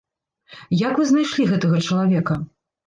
Як вы знайшлі гэтага чалавека?